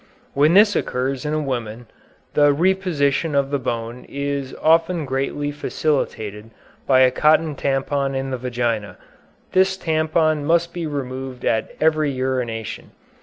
When this occurs in a woman, the reposition of the bone is often greatly facilitated by a cotton tampon in the vagina. This tampon must be removed at every urination.